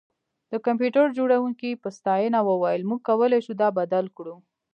د کمپیوټر جوړونکي په ستاینه وویل موږ کولی شو دا بدل کړو